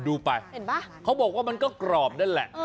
ดูไปเขาบอกว่ามันก็กรอบนั่นแหละ